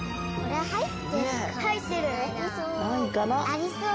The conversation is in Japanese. ありそう。